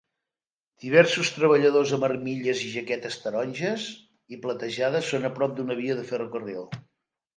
Diversos treballadors amb armilles i jaquetes taronges i platejades són a prop d'una via de ferrocarril.